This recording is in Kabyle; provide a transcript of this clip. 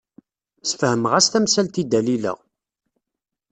Sfehmeɣ-as tamsalt i Dalila.